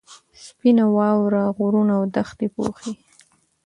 سپینه واوره غرونه او دښتې پوښي.